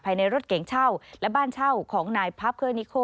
ในรถเก๋งเช่าและบ้านเช่าของนายพาร์เคอร์นิโค